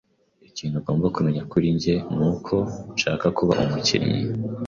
Ikintu ugomba kumenya kuri njye nuko nshaka kuba umukinnyi.